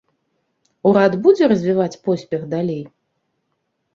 Урад будзе развіваць поспех далей?